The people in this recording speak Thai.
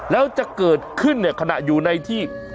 แล้วจะเกิดขึ้นเนี่ยขณะอยู่ในที่